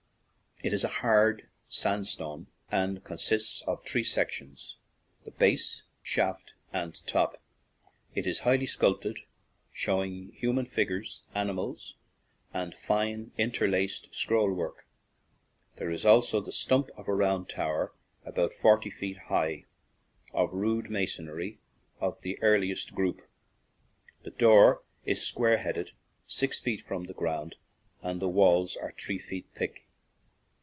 It is of hard sandstone and consists of three sections, the base, shaft, and top. It is highly sculptured, showing human figures, animals, and fine, interlaced scroll work. There is also the stump of a round tower, about forty feet high, of rude ma sonry of the earliest group. The door is square headed, six feet from the ground, and the walls are three feet thick.